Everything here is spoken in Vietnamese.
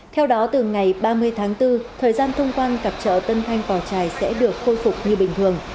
theo đó từ ngày ba mươi tháng bốn thời gian thông quan cặp chợ tân thanh phò trài sẽ được khôi phục như bình thường